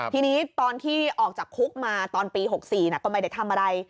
ทีนี้ตอนที่ออกจากคุกมาตอนปี๖๔ก็ไม่ได้ทำอะไร